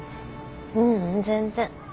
ううん全然。